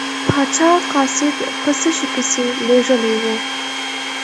پاچا قاصد په څه شي پسې لیږلی و.